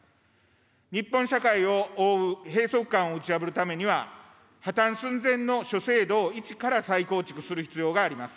日本社会を覆う閉塞感を打ち破るためには、破綻寸前の諸制度を一から再構築する必要があります。